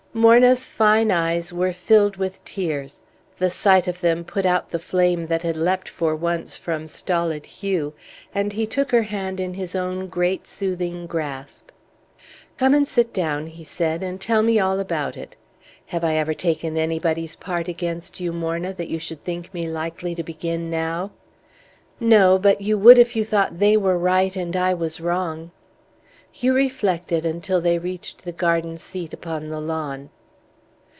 Morna's fine eyes were filled with tears; the sight of them put out the flame that had leapt for once from stolid Hugh, and he took her hand in his own great soothing grasp. "Come and sit down," he said, "and tell me all about it. Have I ever taken anybody's part against you, Morna, that you should think me likely to begin now?" "No; but you would if you thought they were right and I was wrong." Hugh reflected until they reached the garden seat upon the lawn.